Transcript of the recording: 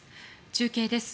中継です。